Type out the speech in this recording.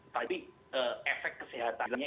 tapi efek kesehatannya